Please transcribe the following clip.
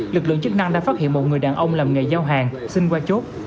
lực lượng chức năng đã phát hiện một người đàn ông làm nghề giao hàng xin qua chốt